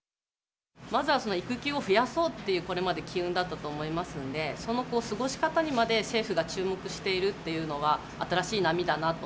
まずは育休を増やそうという、これまで機運だったと思いますんで、その過ごし方にまで政府が注目しているというのは、新しい波だなと。